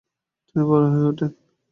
তিনি বড় হয়ে ওঠেন।